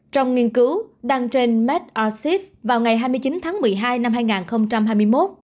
trong nghiên cứu đăng trên made arsef vào ngày hai mươi chín tháng một mươi hai năm hai nghìn hai mươi một